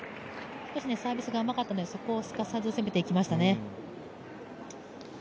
サービスが甘かったので、そこをすかさず攻めてきましたね。